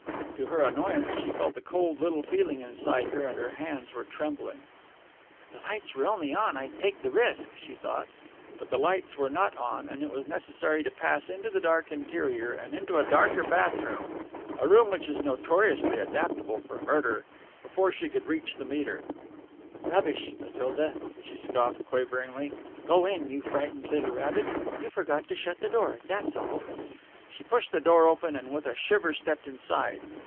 To her annoyance she felt a cold little feeling inside her and her hands were trembling. "If the lights were only on I'd take the risk," she thought; but the lights were not on and it was necessary to pass into the dark interior and into a darker bath room a room which is notoriously adaptable for murder before she could reach the meter. "Rubbish, Matilda!" she scoffed quaveringly, "go in, you frightened little rabbit you forgot to shut the door, that's all." She pushed the door open and with a shiver stepped inside.